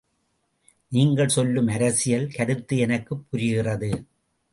நீங்கள் சொல்லும் அரசியல் கருத்து எனக்குப் புரிகிறது.